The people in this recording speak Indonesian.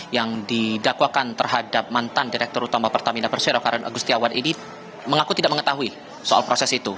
yang didakwakan terhadap mantan direktur utama pertamina persero karen agustiawan ini mengaku tidak mengetahui soal proses itu